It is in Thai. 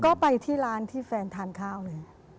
ก็ไปที่ร้านที่แฟนทานข้าวเลย